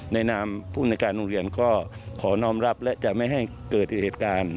ในนามผู้บริการโรงเรียนก็ขอนอมรับและจะไม่ให้เกิดอีกเหตุการณ์